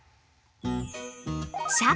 社会！